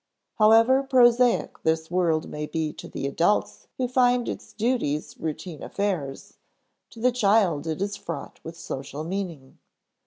However prosaic this world may be to the adults who find its duties routine affairs, to the child it is fraught with social meaning.